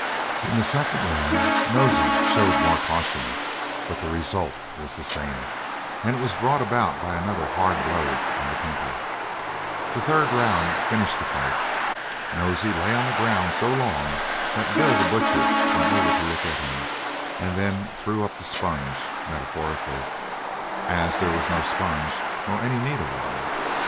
In the second round Nosey showed more caution, but the result was the same, and it was brought about by another hard blow on the temple. The third round finished the fight. Nosey lay on the ground so long that Bill, the Butcher, went over to look at him, and then he threw up the sponge metaphorically as there was no sponge, nor any need of one.